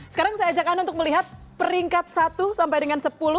sekarang saya ajak anda untuk melihat peringkat satu sampai dengan sepuluh